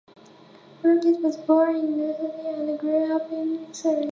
Brookes was born in Merseyside and grew up in Surrey.